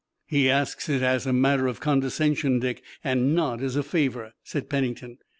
"He asks it as a matter of condescension, Dick, and not as a favor," said Pennington.